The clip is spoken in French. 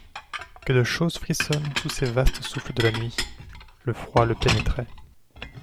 Que de choses frissonnent sous ces vastes souffles de la nuit ! Le froid le pénétrait.